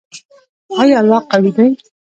آیا الله قوی دی؟